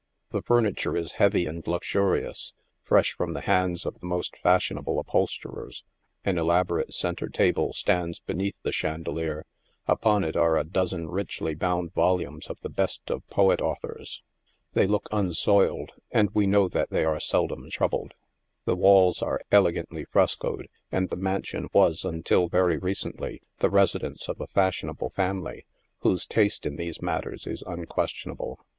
The furniture is heavy and lux urious, fresh from the hands of the most fashionable upholsterers. An elaborate centre table stands beneath the chandelier, upon it are a dozen richly bound volumes of the best of poet authors. They look unsoiled and we know that they are seldom troubled. The walls are elegantly frescoed, for the mansion was, until very recent ly, the residence of a fashionable family, whose taste in these mat ters is unquestionable.